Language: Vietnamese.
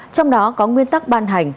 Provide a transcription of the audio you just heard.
trong đó có nguyên tắc ban hành